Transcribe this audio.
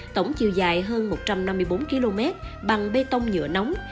tổng chiều dài hơn một trăm năm mươi bốn km bằng bê tông nhựa nóng